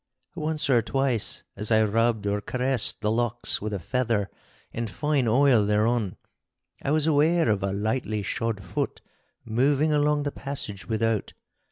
Once or twice as I rubbed or caressed the locks with a feather and fine oil thereon, I was aware of a lightly shod foot moving along the passage without.